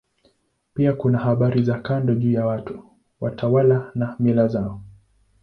Pia kuna habari za kando juu ya watu, watawala na mila zao.